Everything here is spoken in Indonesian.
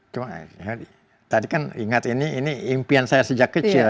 cuma tadi kan ingat ini impian saya sejak kecil